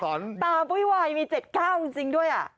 เห็นไหมตาบุ๊ยวายมี๗เก้าจริงด้วย